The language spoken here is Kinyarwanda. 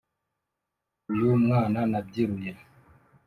Uyu mwana nabyiruye